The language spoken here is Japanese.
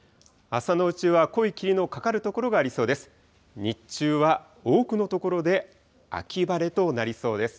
朝のうちは濃い霧のかかる所がありそうです。